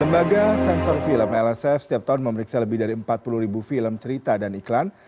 lembaga sensor film lsf setiap tahun memeriksa lebih dari empat puluh ribu film cerita dan iklan